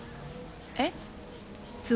えっ？